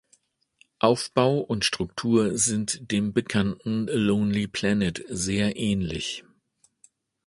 Aufbau und Struktur sind dem bekannten Lonely Planet sehr ähnlich.